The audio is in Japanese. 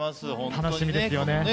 楽しみですよね。